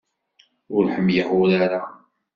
Ur ḥemmleɣ urar-a.